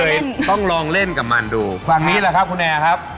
โชคความแม่นแทนนุ่มในศึกที่๒กันแล้วล่ะครับ